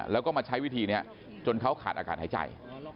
แล้วก็มาใช้วิธีนี้จนเขาขาดอากาศหายใจ